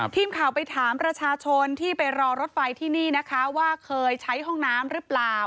ทีมข่าวไปถามประชาชนที่ไปรอรถไฟที่นี่นะคะว่าเคยใช้ห้องน้ำหรือเปล่า